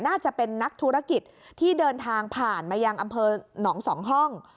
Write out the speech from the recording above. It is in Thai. น่าจะเป็นนักธุรกิจที่เดินทางผ่านมายังอำเภอหนองสองห้อง